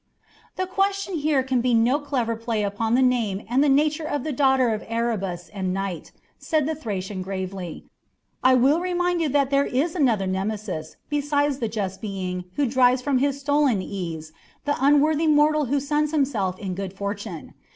"The question here can be no clever play upon the name and the nature of the daughter of Erebus and Night," said the Thracian gravely. "I will remind you that there is another Nemesis besides the just being who drives from his stolen ease the unworthy mortal who suns himself in good fortune.